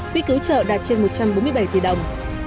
quý cứu trợ đạt trên một trăm bốn mươi bảy tỷ đồng